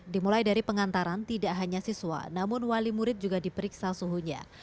dimulai dari pengantaran tidak hanya siswa namun wali murid juga diperiksa suhunya